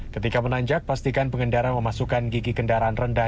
ketika menanjak pastikan pengendara memasukkan gigi kendaraan rendah